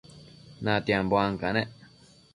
natianbo ancanec